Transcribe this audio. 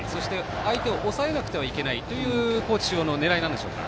相手を抑えなくてはいけないという高知中央の狙いなんでしょうか。